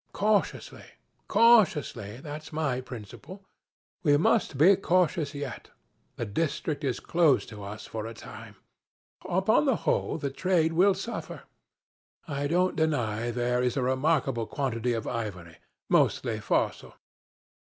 Cautiously, cautiously that's my principle. We must be cautious yet. The district is closed to us for a time. Deplorable! Upon the whole, the trade will suffer. I don't deny there is a remarkable quantity of ivory mostly fossil.